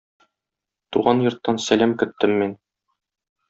Туган йорттан сәлам көттем мин.